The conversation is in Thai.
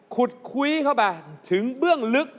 ขุดคุยเข้าไปถึงเบื้องลึก